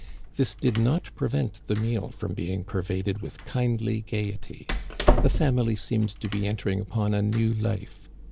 This did not prevent the meal from being pervaded with kindly gayety ; the family seemed to be entering upon a new life.